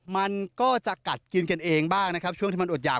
มันก็จะกัดกินกันเองบ้างนะครับช่วงที่มันอดหยาก